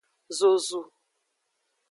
Zozu.